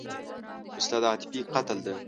وسله د عاطفې قتل ده